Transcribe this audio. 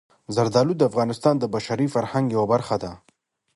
زردالو د افغانستان د بشري فرهنګ یوه برخه ده.